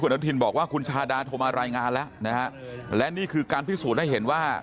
อนุทินบอกว่าคุณชาดาโทรมารายงานแล้วนะฮะและนี่คือการพิสูจน์ให้เห็นว่า